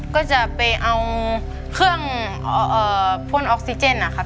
ก็จะไปเอาเครื่องพ่นออกซิเจนนะครับ